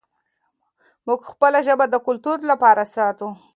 موږ خپله ژبه د کلتور لپاره ساتو.